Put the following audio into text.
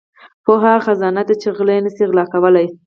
• پوهه هغه خزانه ده چې غله یې نشي غلا کولای.